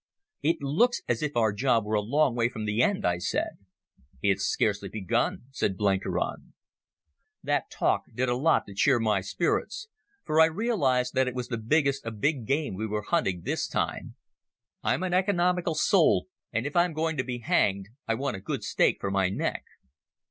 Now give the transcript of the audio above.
"It looks as if our job were a long way from the end," I said. "It's scarcely begun," said Blenkiron. That talk did a lot to cheer my spirits, for I realized that it was the biggest of big game we were hunting this time. I'm an economical soul, and if I'm going to be hanged I want a good stake for my neck.